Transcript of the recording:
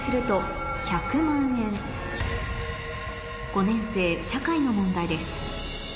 ５年生社会の問題です